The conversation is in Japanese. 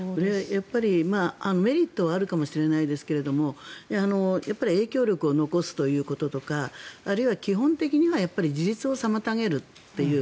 やっぱりメリットはあるかもしれないですが影響力を残すということとかあるいは基本的には自立を妨げるという。